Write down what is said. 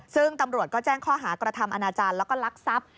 ซึ่งตำรวจก็แจ้งข้อหากระทำอนาจารย์แล้วก็ลักทรัพย์